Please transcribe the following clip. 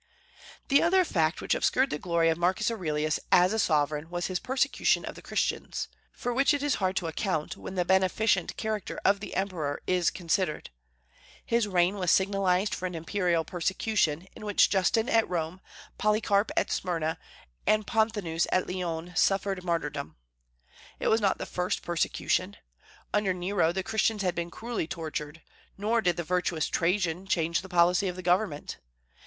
The other fact which obscured the glory of Marcus Aurelius as a sovereign was his persecution of the Christians, for which it is hard to account, when the beneficent character of the emperor is considered. His reign was signalized for an imperial persecution, in which Justin at Rome, Polycarp at Smyrna, and Ponthinus at Lyons, suffered martyrdom. It was not the first persecution. Under Nero the Christians had been cruelly tortured, nor did the virtuous Trajan change the policy of the government.